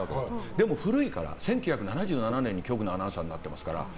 でも古いから１９７７年に局のアナウンサーになってますから。